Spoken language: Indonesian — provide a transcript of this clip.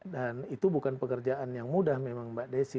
dan itu bukan pekerjaan yang mudah memang mbak desi